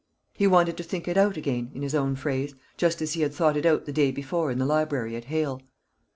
He wanted to think it out again, in his own phrase, just as he had thought it out the day before in the library at Hale.